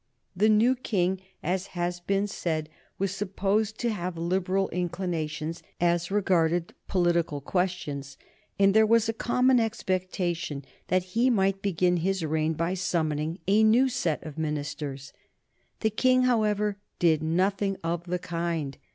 The new King, as has been said, was supposed to have Liberal inclinations as regarded political questions, and there was a common expectation that he might begin his reign by summoning a new set of ministers. The King, however, did nothing of the kind.